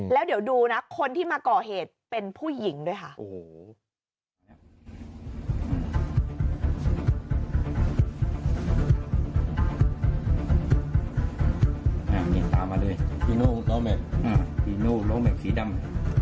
แล้วเดี๋ยวดูนะคนที่มาก่อเหตุเป็นผู้หญิงด้วยค่ะ